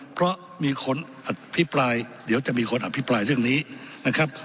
เพราะเดี๋ยวจะมีคนอภิปรายเรื่องนี้นะครับ